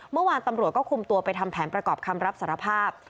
เมื่อวานตำรวจก็คุมตัวไปทำแผนประกอบคำรับสารภาพ